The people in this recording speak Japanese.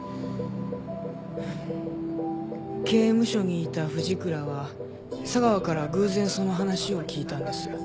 刑務所にいた藤倉は佐川から偶然その話を聞いたんです。